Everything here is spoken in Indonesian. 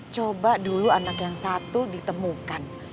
coba dulu anak yang satu ditemukan